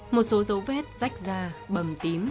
một số dấu vết rách ra bầm tím